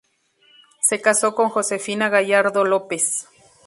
Se casó con Josefina Gallardo López.